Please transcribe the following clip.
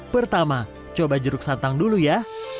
pertama coba jeruk santang dulu ya